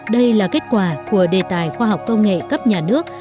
đây là kết quả của đề tài khoa học công nghệ cấp nhà nước